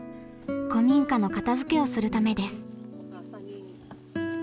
古民家の片づけをするためです。